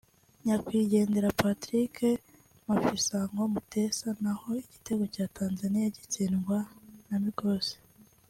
nyakwigendera Patrick Mafisango Mutesa na ho igitego cya Tanzania gitsindwa na Mgosi